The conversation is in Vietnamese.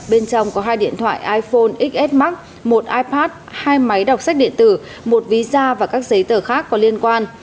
bên trong có hai điện thoại iphone xs max một ipad hai máy đọc sách điện tử một visa và các giấy tờ khác có liên quan